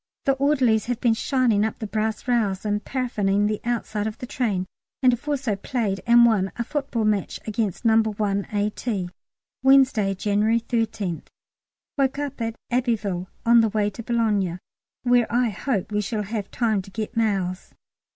The orderlies have been shining up the brass rails and paraffining the outside of the train, and have also played and won a football match against No. 1 A.T. Wednesday, January 13th. Woke at Abbeville; now on the way to Boulogne, where I hope we shall have time to get mails.